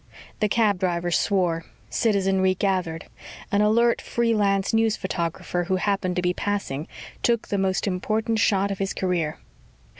The cab driver swore. Citizenry gathered. An alert free lance news photographer who happened to be passing took the most important shot of his career.